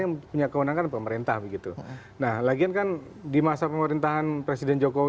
yang punya kewenangan pemerintah begitu nah lagian kan di masa pemerintahan presiden jokowi